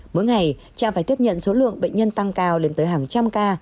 mỗi ngày trạm phải tiếp nhận số lượng bệnh nhân tăng cao lên tới hàng trăm ca